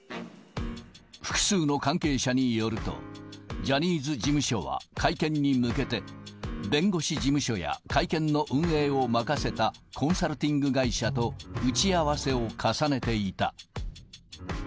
複数の関係者によると、ジャニーズ事務所は会見に向けて、弁護士事務所や会見の運営を任せたコンサルティング会社と打ち合わせを重ねていた。